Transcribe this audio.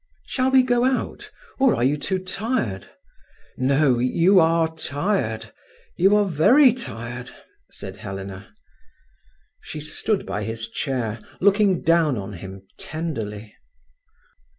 "Shall we go out, or are you too tired? No, you are tired—you are very tired," said Helena. She stood by his chair, looking down on him tenderly.